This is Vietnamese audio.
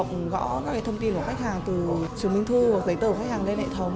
chúng ta sẽ phải chủ động gõ các thông tin của khách hàng từ chứng minh thư hoặc giấy tờ của khách hàng lên hệ thống